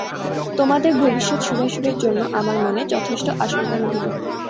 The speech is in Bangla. তোমাদের ভবিষ্যৎ শুভাশুভের জন্য আমার মনে যথেষ্ট আশঙ্কা রহিল।